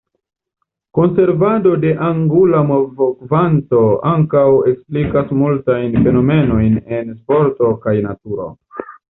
Konservado de angula movokvanto ankaŭ eksplikas multajn fenomenojn en sporto kaj naturo.